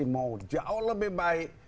mau jauh lebih baik